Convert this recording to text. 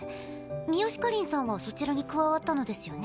三好夏凜さんはそちらに加わったのですよね？